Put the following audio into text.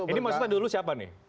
ini maksudnya dulu siapa nih